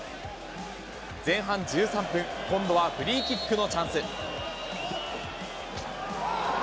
前半１３分、今度はフリーキックのチャンス。